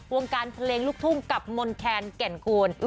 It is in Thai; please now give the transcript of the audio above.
วงการเพลงลูกทุ่งกับมนแคนแก่นคูณ